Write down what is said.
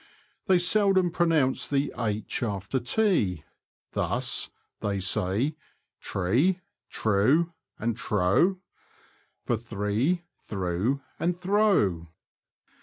They seldom pronounce the h after t. Thus, they say, tree, trew, and trow, for three, through, and throw.